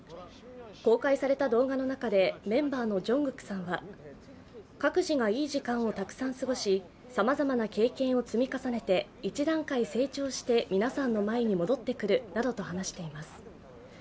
公開された動画の中でメンバーのＪＵＮＧＫＯＯＫさんは各自がいい時間をたくさん過ごし、さまざまな経験を積み重ねて一段階成長して皆さんの前に戻ってくるなどと話しています。